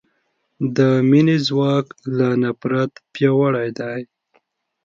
د مینې ځواک له نفرت پیاوړی دی.